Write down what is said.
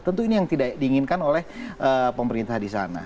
tentu ini yang tidak diinginkan oleh pemerintah di sana